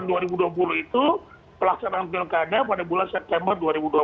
jadi tahun dua ribu dua puluh itu pelaksanaan pilgada pada bulan september dua ribu dua puluh